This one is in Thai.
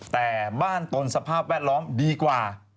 แต่บ้านตนสภาพแวดล้อมดีกว่า